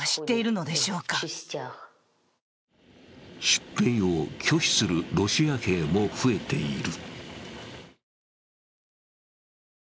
出兵を拒否するロシア兵も増えている。